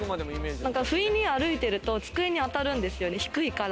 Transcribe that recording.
不意に、歩いてると机にあたるんです、低いから。